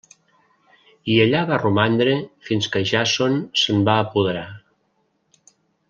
I allà va romandre fins que Jàson se'n va apoderar.